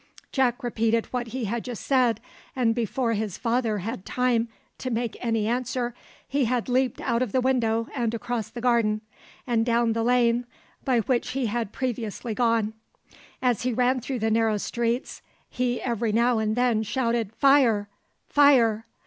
Jack repeated what he had just said; and before his father had time to make any answer, he had leaped out of the window and across the garden, and down the lane by which he had previously gone. As he ran through the narrow streets, he every now and then shouted, "Fire! fire!"